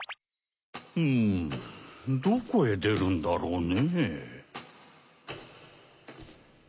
うんどこへでるんだろうね